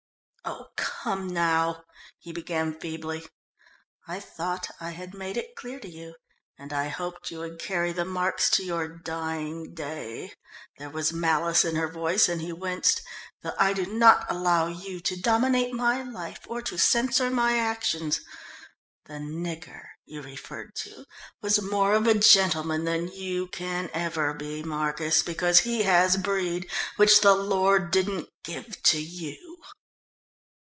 "Oh, come now," he began feebly. "I thought I had made it clear to you and I hoped you would carry the marks to your dying day" there was malice in her voice, and he winced "that I do not allow you to dominate my life or to censor my actions. The 'nigger' you referred to was more of a gentleman than you can ever be, Marcus, because he has breed, which the Lord didn't give to you."